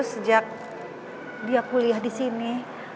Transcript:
sejak dia kuliah disini